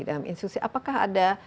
dalam institusi apakah ada